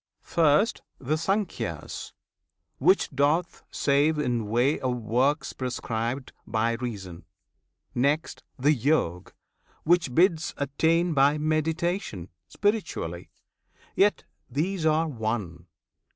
First The Sankhya's, which doth save in way of works Prescribed[FN#4] by reason; next, the Yog, which bids Attain by meditation, spiritually: Yet these are one!